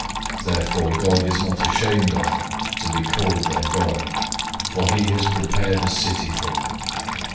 Therefore God is not ashamed of them, to be called their God, for he has prepared a city for them.